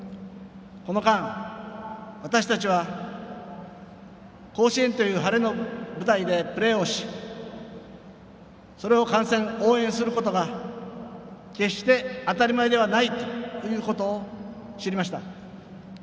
この間、私たちは甲子園という晴れの舞台でプレーをしそれを観戦、応援することが決して当たり前ではないということを知りました。